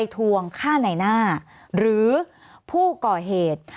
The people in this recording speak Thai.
สวัสดีครับทุกคน